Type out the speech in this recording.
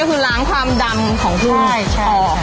ก็คือล้างความดำของกล้วยออก